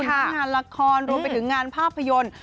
รวมไปถึงงานละครรวมไปถึงงานภาพยนตร์